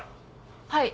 はい。